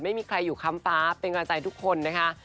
ไม่มีใครอยู่ค้ำฟ้าเป็นกำลังใจทุกคนนะคะ